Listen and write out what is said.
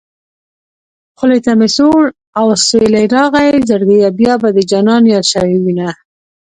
خولې ته مې سوړ اوسېلی راغی زړګيه بيا به دې جانان ياد شوی وينه